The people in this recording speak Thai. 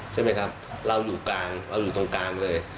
ใช่ไหมครับเราอยู่กลางเราอยู่ตรงกลางเลย